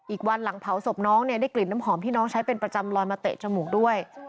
อีกวันหลังเผาศพน้องเนี่ยได้กลิ่นน้ำหอมที่น้องใช้เป็นประจำลอยมาเตะจมูกด้วย